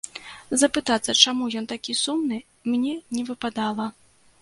Запытацца, чаму ён такі сумны, мне не выпадала.